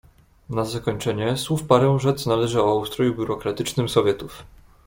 "Na zakończenie słów parę rzec należy o ustroju biurokratycznym Sowietów."